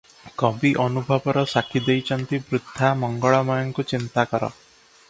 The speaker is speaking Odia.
କବି ଅନୁଭବର ସାକ୍ଷୀ ଦେଇଚନ୍ତି- ବୃଦ୍ଧା, ମଙ୍ଗଳମୟଙ୍କୁ ଚିନ୍ତାକର ।